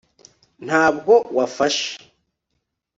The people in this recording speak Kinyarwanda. ntabwo wafashe